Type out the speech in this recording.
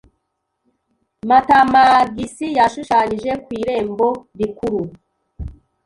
Matamaagisi yashushanyije ku irembo rikuru.